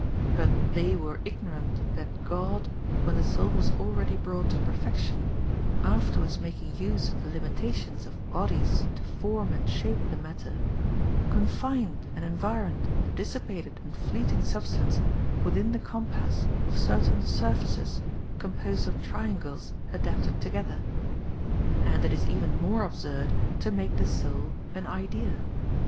But they were ignorant that God, when the soul was already brought to perfection, afterwards making use of the limitations of bodies to form and shape the matter, confined and environed the dissi pated and fleeting substance within the compass of certain surfaces composed of triangles adapted together. And it is even more absurd to make the soul an idea.